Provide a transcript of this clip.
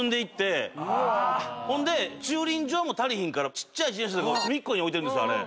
ほんで駐輪場も足りひんからちっちゃい自転車とかを隅っこに置いてるんです。